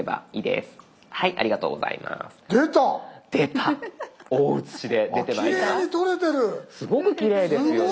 すごくきれいですよね。